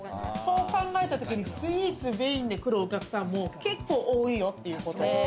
そう考えたときにスイーツメインで来るお客さんも結構多いよっていうこと。